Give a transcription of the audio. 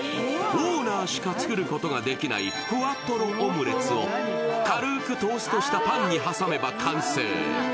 オーナーしか作ることができないふわトロオムレツを軽くトーストしたパンに挟めば完成。